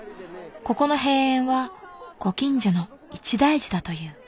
ここの閉園はご近所の一大事だという。